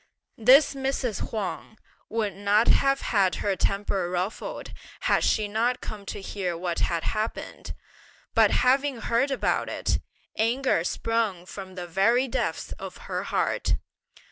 This Mrs. Huang would not have had her temper ruffled had she not come to hear what had happened; but having heard about it, anger sprung from the very depths of her heart.